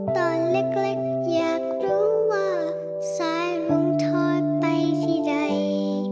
ตอนเล็กอยากรู้ว่าสายลุงทอดไปที่ใด